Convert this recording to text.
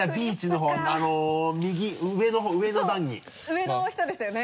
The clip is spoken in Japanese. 上の人ですよね。